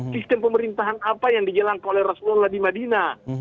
sistem pemerintahan apa yang dijalankan oleh rasulullah di madinah